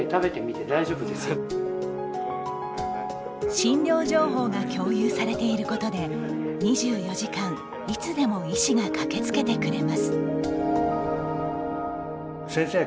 診療情報が共有されていることで２４時間、いつでも医師が駆けつけてくれます。